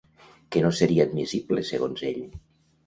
Què no seria admissible segons ell?